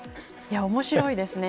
面白いですね。